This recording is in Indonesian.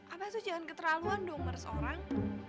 apa tuh jangan keterlaluan dong marah seorang